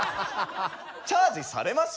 チャージされます？